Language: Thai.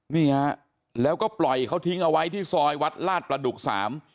นี่ฮะแล้วก็ปล่อยเขาทิ้งเอาไว้ที่ซอยวัดลาดประดุกสาม